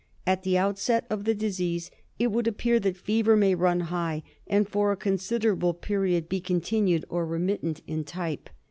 At the outset of the disease it would appear that fever may run high, and for a con siderable period be continued or remittent in type.